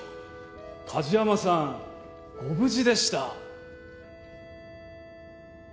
梶山さんご無事でした。